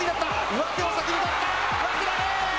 上手を先に取った、上手投げ。